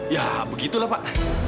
ya begitulah pak